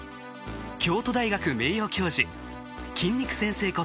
京都大学名誉教授筋肉先生